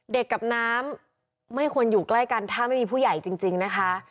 กับน้ำไม่ควรอยู่ใกล้กันถ้าไม่มีผู้ใหญ่จริงนะคะ